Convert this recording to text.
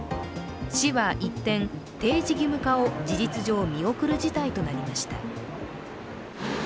市は一転、提示義務化を事実上見送る事態となりました。